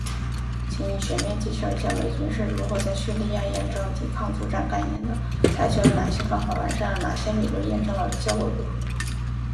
请你全面介绍一下美军是如何在叙利亚验证“抵抗作战概念”的，采取了哪些方法，完善了哪些理论，验证的效果如何？